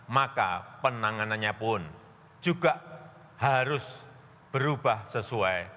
maka penanganannya pun juga harus berubah sesuai